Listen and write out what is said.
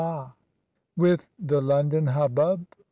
With the London hubbub.